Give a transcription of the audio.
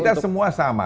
kita semua sama